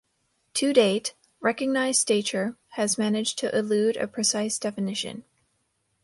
To date, "recognized stature" has managed to elude a precise definition.